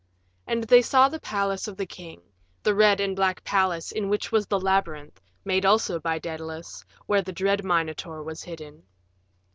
And they saw the palace of the king, the red and black palace in which was the labyrinth, made also by Daedalus, where the dread Minotaur was hidden.